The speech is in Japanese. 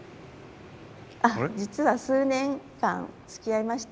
あっ実は数年間つきあいました。